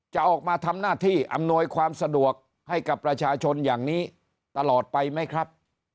จะออกมาทำหน้าที่อำนวยความสะดวกให้กับประชาชนอย่างนี้ตลอดไปไหมครับ